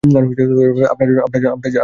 আপনার জন্য কি করতে পারি, মিঃ ব্লুম?